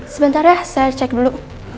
sebentar ya saya cek dulu